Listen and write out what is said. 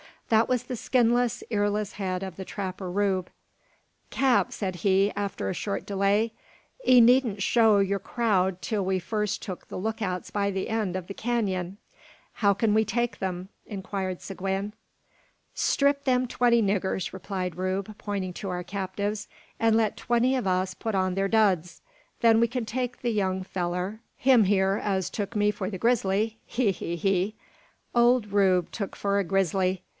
That was the skinless, earless head of the trapper Rube. "Cap," said he, after a short delay, "'ee needn't show yur crowd till we've first took the luk outs by the eend o' the kenyun." "How can we take them?" inquired Seguin. "Strip them twenty niggurs," replied Rube, pointing to our captives, "an' let twenty o' us put on their duds. Then we kin take the young fellur him hyur as tuk me for the grizzly! He! he! he! Ole Rube tuk for a grizzly!